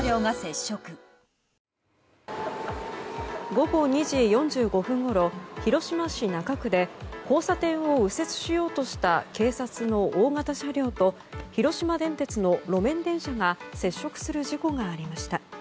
午後２時４５分ごろ広島市中区で交差点を右折しようとした警察の大型車両と広島電鉄の路面電車が接触する事故がありました。